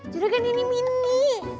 juragan ini mini